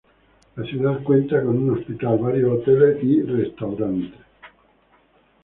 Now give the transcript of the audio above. La ciudad cuenta con un hospital, varios hoteles y restaurantes.